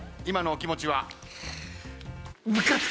今のお気持ちは？